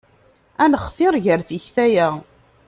Ad nextir gar tikta-ya.